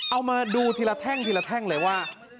เอามาดูทีละแท่งทีละแท่งเลยว่า